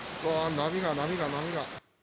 波が、波が、波が！